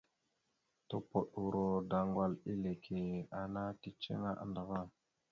Tupoɗoro daŋgwal eleke ana ticiŋa andəva.